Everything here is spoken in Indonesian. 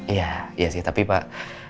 iya sih tapi pak